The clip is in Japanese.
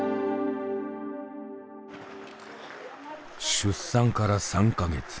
出産から３か月。